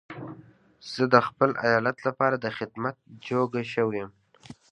زه د خپل ايالت لپاره د خدمت جوګه شوی يم.